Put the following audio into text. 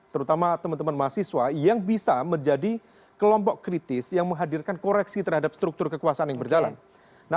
terutama teman teman mahasiswa yang bisa menjadi kelompok kritis yang menghadirkan koreksi terhadap struktur kekuasaan yang berjalan